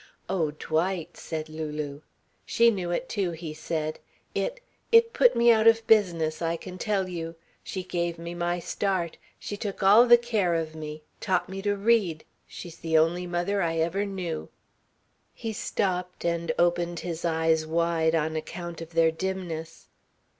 "Oh, Dwight!" said Lulu. "She knew it too," he said. "It it put me out of business, I can tell you. She gave me my start she took all the care of me taught me to read she's the only mother I ever knew " He stopped, and opened his eyes wide on account of their dimness.